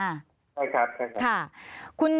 ใช่ครับ